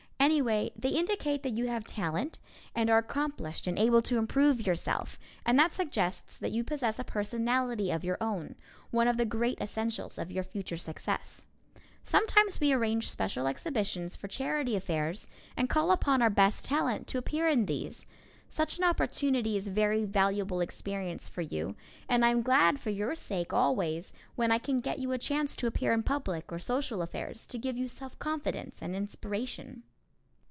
Anyway, they indicate that you have talent and are accomplished and able to improve yourself, and that suggests that you possess a personality of your own, one of the great essentials of your future success. Sometimes we arrange special exhibitions for charity affairs and call upon our best talent to appear in these. Such an opportunity is very valuable experience for you and I am glad for your sake always when I can get you a chance to appear in public or social affairs, to give you self confidence and inspiration.